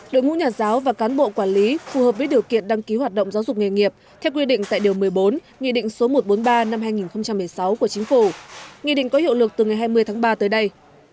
đội ngũ nhà giáo và cán bộ quản lý phù hợp với điều kiện đăng ký hoạt động giáo dục nghề nghiệp theo quy định tại điều một mươi bốn nghị định số một trăm bốn mươi ba năm hai nghìn một mươi sáu của chính phủ nghị định có hiệu lực từ ngày hai mươi tháng ba tới đây